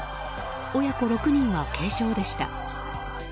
親子６人は軽傷でした。